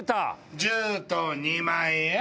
１０と２万円！